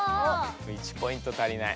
１ポイント足りない。